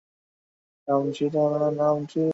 ক ব্লকের পেছনের দরজা খোলা।